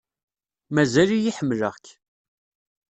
Mazal-iyi ḥemmleɣ-k.